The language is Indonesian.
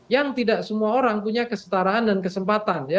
yang tidak semua orang punya kesetaraan dan kesempatan